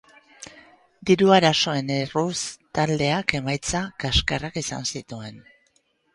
Diru arazoen erruz taldeak emaitza kaxkarrak izan zituen.